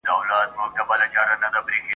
تر لحده به دي ستړی زکندن وي !.